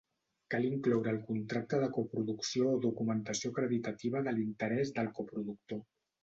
Cal incloure el contracte de coproducció o documentació acreditativa de l'interès del coproductor.